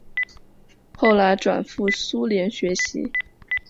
后来转赴苏联学习。